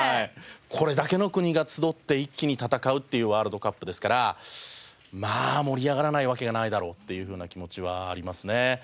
これだけの国が集って一気に戦うっていうワールドカップですからまあ盛り上がらないわけがないだろうっていうふうな気持ちはありますね。